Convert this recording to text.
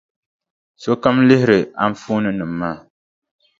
Sokam lihiri anfooninima maa.